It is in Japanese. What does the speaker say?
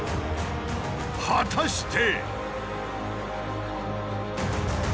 果たして！